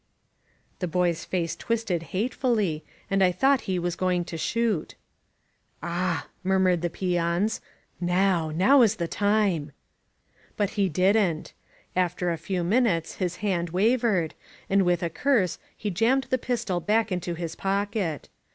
The boy's face twisted hatefully, and I thought he was going to shoot, "Ah!" murmured the peons. "Now! Now is the time!" But he didn't. After a few minutes his hand wav ered, and with a curse he jammed the pistol back into his pocket.